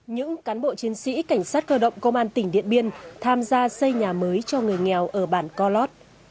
những cán bộ chiến sĩ cảnh sát cơ động công an tỉnh điện biên tham gia xây nhà mới cho người nghèo ở bản co lót